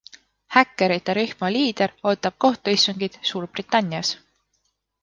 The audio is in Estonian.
Häkkerite rühma liider ootab kohtuistungit Suurbritannias.